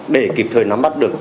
để kịp thời nắm bắt được